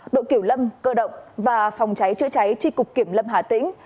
độ kiểu lâm cơ động và phòng cháy chữa cháy tri cục kiểm lâm hà tĩnh